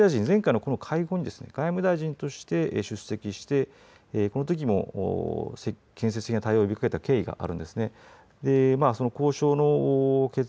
そして、実は岸田総理大臣、前回の会合に外務大臣として出席してこのときも建設的な対応を呼びかけた経緯があるんですね。